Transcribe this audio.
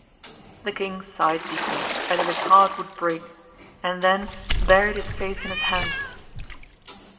The king sighed deeply, as if his heart would break, and then buried his face in his hands.